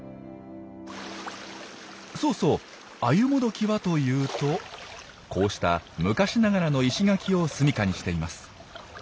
そうそうアユモドキはというとこうした昔ながらの石垣をすみかにしています。